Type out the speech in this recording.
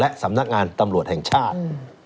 และสำนักงานตำรวจแห่งชาติ